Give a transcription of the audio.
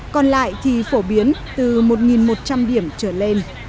còn lại thì phổ biến từ một một trăm linh điểm trở lên